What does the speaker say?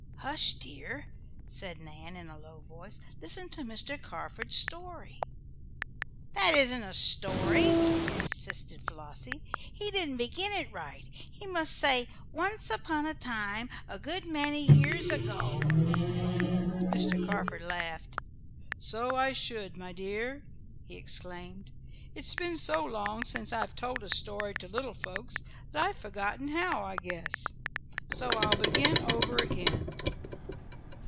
"Hush, dear," said Nan in a low voice "Listen to Mr. Carford's story." "That isn't a story," insisted Flossie. "He didn't begin it right. He must say: 'Once upon a time, a good many years ago !'" Mr. Carford laughed. "So I should, my dear!" he exclaimed. "It's been so long since I've told a story to little folks that I've forgotten how, I guess. "So I'll begin over again.